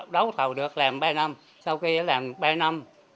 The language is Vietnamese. đấu thầu được làm ba năm